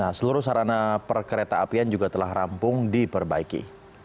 nah seluruh sarana perkereta apian juga telah rampung diperbaiki